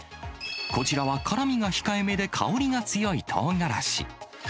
こちらは辛みが控えめで香りが強いトウガラシ。